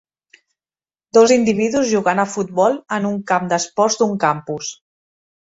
Dos individus jugant a futbol en un camp d'esports d'un campus.